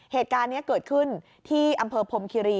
เหตุการณ์นี้เกิดขึ้นที่อำเภอพรมคิรี